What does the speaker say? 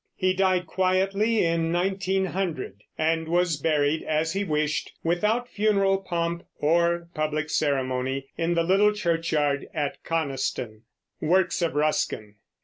He died quietly in 1900, and was buried, as he wished, without funeral pomp or public ceremony, in the little churchyard at Coniston. WORKS OF RUSKIN.